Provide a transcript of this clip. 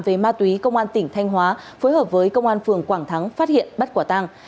về ma túy công an tỉnh thanh hóa phối hợp với công an phường quảng thắng phát hiện bắt quả tàng